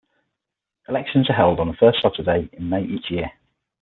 Elections are held on the first Saturday in May each year.